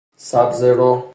سبزه رو